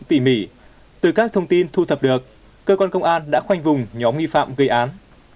tỉ mỉ từ các thông tin thu thập được cơ quan công an đã khoanh vùng nhóm nghi phạm gây án